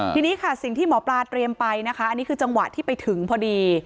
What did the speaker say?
ทีนี้ค่ะสิ่งที่หมอปลาเตรียมไปนะคะอันนี้คือจังหวะที่ไปถึงพอดี